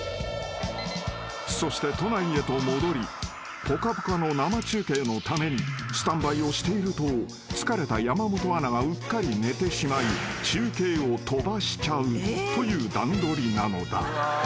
［そして都内へと戻り『ぽかぽか』の生中継のためにスタンバイをしていると疲れた山本アナがうっかり寝てしまい中継を飛ばしちゃうという段取りなのだ］